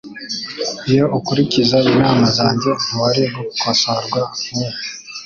Iyo ukurikiza inama zanjye, ntiwari gukosorwa nkubu.